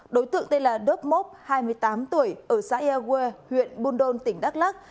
đối tượng tên là đốc mốc hai mươi tám tuổi ở xã ewe huyện bundon tỉnh đắk lắc